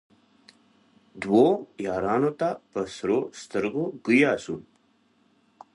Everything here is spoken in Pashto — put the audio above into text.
دوو یارانو ته په سرو سترګو ګویا سو